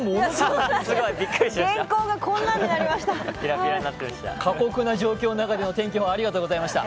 原稿がこんなになりました。